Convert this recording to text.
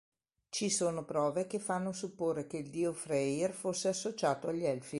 Ci sono prove che fanno supporre che il dio Freyr fosse associato agli elfi.